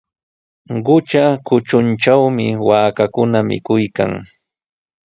Qutra kutruntrawmi waakakuna mikuykan.